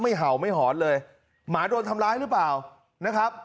เห่าไม่หอนเลยหมาโดนทำร้ายหรือเปล่านะครับ